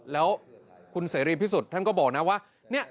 แล้วคุณเสรีพิสุทธิ์ท่านก็บอกนะว่า